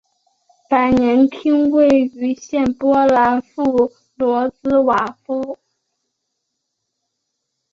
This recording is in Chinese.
百年厅位于现波兰弗罗茨瓦夫。